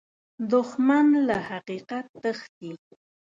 دښمن له حقیقت تښتي